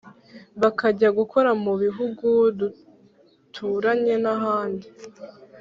bakajya gukora mu bihugu duturanye n'ahandi.